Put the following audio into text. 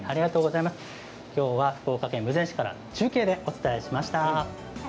きょうは福岡県豊前市からお伝えしました。